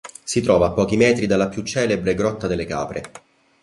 Si trova a pochi metri dalla più celebre grotta delle Capre.